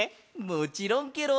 もちろんケロ！